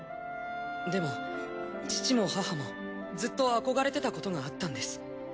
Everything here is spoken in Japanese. でも父も母もずっと憧れてたことがあったんです。